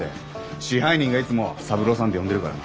支配人がいつも三郎さんって呼んでるからな。